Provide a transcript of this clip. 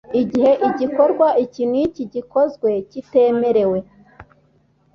igihe igikorwa iki n iki gikozwe kitemerewe